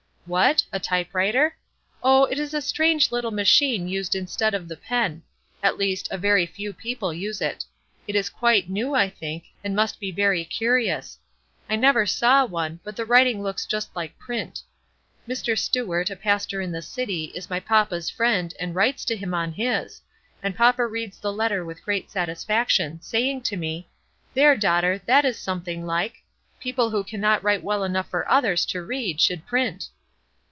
"What? A type writer? Oh, it is a strange little machine used instead of the pen at least, a very few people use it. It is quite new, I think, and must be very curious. I never saw one, but the writing looks just like print. Dr. Stuart, a pastor in the city, is my papa's friend, and writes to him on his, and papa reads the letter with great satisfaction, saying to me, 'There, daughter, that is something like! People who cannot write well enough for others to read should print.'"